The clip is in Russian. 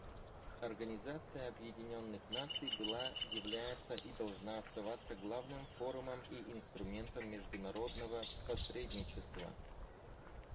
Организация Объединенных Наций была, является и должна оставаться главным форумом и инструментом международного посредничества.